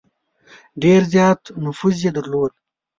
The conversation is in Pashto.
ډېر زیات نفوذ یې درلود.